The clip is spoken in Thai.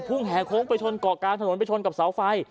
แห่โค้งไปชนเกาะกลางถนนไปชนกับเสาไฟ